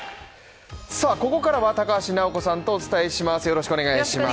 ここからは高橋尚子さんとお伝えします。